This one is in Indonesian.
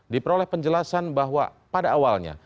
diperoleh penjelasan bahwa pada awalnya